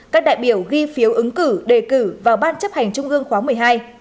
các đại biểu ghi phiếu ứng cử đề cử vào ban chấp hành trung ương khóa một mươi hai